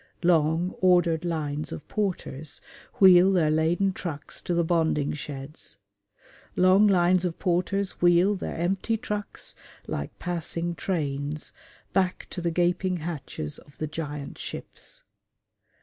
Long, ordered lines of porters wheel their laden trucks to the bonding sheds; long lines of porters wheel their empty trucks, like passing trains, back to the gaping hatches of the giant ships.